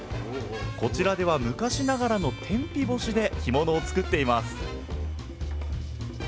こちらでは昔ながらの天日干しで干物を作っています